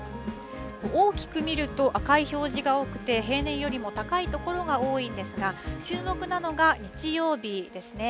大きく見ると赤い表示が多くて平年よりも高いところが多いんですが注目などが日曜日ですね。